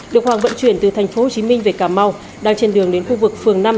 được hoàng vận chuyển từ thành phố hồ chí minh về cà mau đang trên đường đến khu vực phường năm